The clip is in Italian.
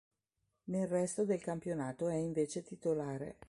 Nel resto del campionato è invece titolare.